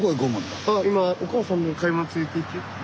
今お母さんの買い物についていって。